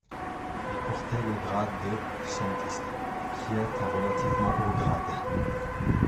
Il portait le grade de Santista, qui est un relativement haut grade.